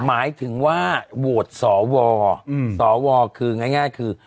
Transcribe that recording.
หมายถึงว่าโหวตสวสวคือง่ายคือ